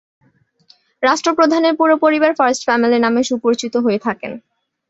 রাষ্ট্র প্রধানের পুরো পরিবার "ফার্স্ট ফ্যামিলি" নামে সুপরিচিত হয়ে থাকেন।